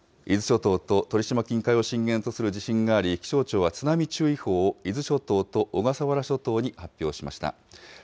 伊豆諸島と鳥島近海を震源とする地震があり、気象庁は津波注意報を伊豆諸島と小笠原諸島に発表しました。